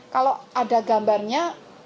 kalau ada gambarnya